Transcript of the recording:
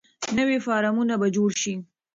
نوي فارمونه به جوړ شي.